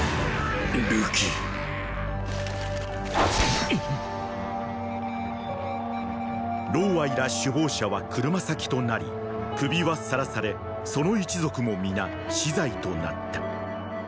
琉期ら首謀者は車裂きとなり首はさらされその一族も皆死罪となった。